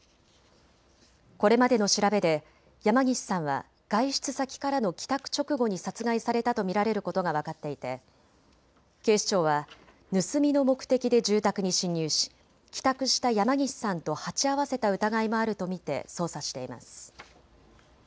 これまでの調べで山岸さんは外出先からの帰宅直後に殺害されたと見られることが分かっていて警視庁は盗みの目的で住宅に侵入し帰宅した山岸さんと鉢合わせた疑いもあると見て捜査しています。